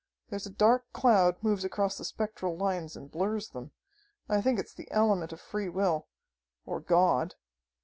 There's a dark cloud moves across the spectral lines and blurs them. I think it's the element of free will or God!"